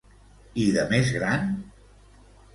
I de més gran?